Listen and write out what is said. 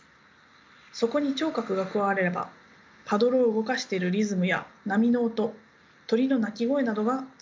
そこに聴覚が加わればパドルを動かしているリズムや波の音鳥の鳴き声などが伝わります。